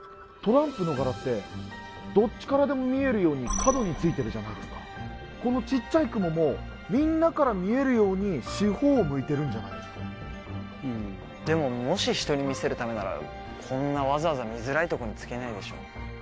トランプの柄ってどっちからでも見えるように角についてるじゃないですかこのちっちゃい雲もみんなから見えるように四方を向いてるんじゃないですかでももし人に見せるためならこんなわざわざ見づらいとこにつけないでしょ